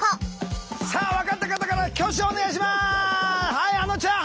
はいあのちゃん。